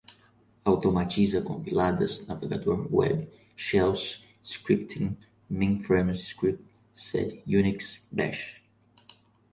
automatiza, compiladas, navegador web, shells, scripting, mainframes, script, sed, unix, bash